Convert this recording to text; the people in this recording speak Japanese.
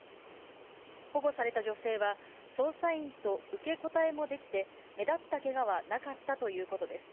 保護された女性は、捜査員と受け答えもできて、目立ったけがはなかったということです。